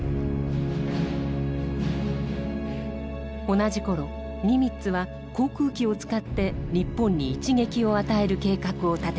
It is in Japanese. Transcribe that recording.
同じ頃ニミッツは航空機を使って日本に一撃を与える計画を立てていました。